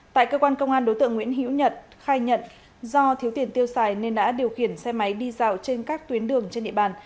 tại cơ quan công an đối tượng nguyễn hiễu nhật khai nhận do thiếu tiền tiêu xài nên đã điều khiển xe máy đi dạo trên các tuyến đường trên địa bàn